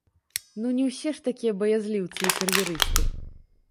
Ну, не ўсе ж такія баязліўцы і кар'ерысты.